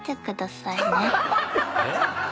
えっ？